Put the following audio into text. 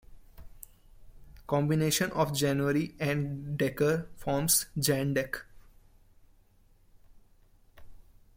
The combination of January and Decker forms Jan-deck.